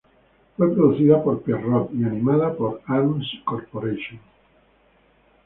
Fue producida por Pierrot y animada por Arms Corporation.